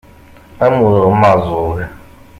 Am ulɣem aɛeẓẓug.